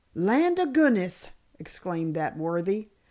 "Land o' goodness!" exclaimed that worthy.